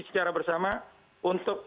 secara bersama untuk